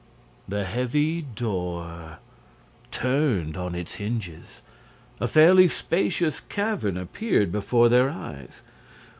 The heavy door turned on its hinges. A fairly spacious cavern appeared before their eyes.